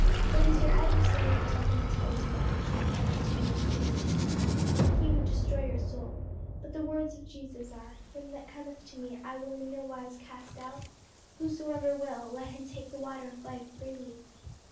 "It is your adversary the devil who tells you that," she said, tears streaming from her eyes; "he would destroy your soul: but the words of Jesus are, 'Him that cometh to me I will in no wise cast out?' 'Whosoever will, let him take the water of life freely.'"